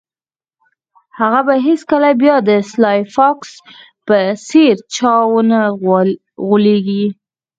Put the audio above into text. هغه به هیڅکله بیا د سلای فاکس په څیر چا ونه غولیږي